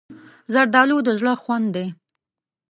زردالو د زړه خوند دی.